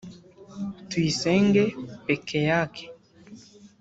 Tuyisenge Pekeyake